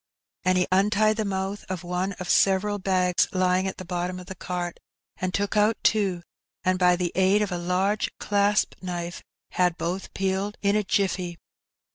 '' And he untied the moutli of one of several bags lying at the bottom of the cart^ and took out two, and by the aid of a large clasp knife had both peeled in a "jifiTey."